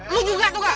lo juga tau gak